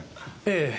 ええ。